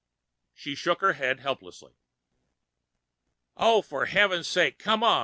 She shook her head helplessly. "Oh, for heaven's sake, come on!"